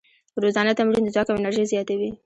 روزانه تمرین د ځواک او انرژۍ زیاتوي.